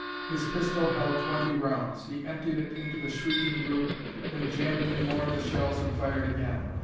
His pistol held twenty rounds. He emptied it into the shrieking group, then jammed in more of the shells and fired again.